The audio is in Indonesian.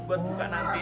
buat buka nanti